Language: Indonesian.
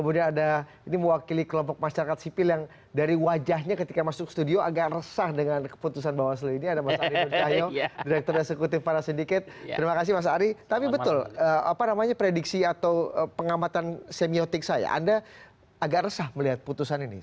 dari kritik saya anda agak resah melihat putusan ini